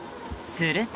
すると。